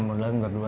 enam bulanan berdua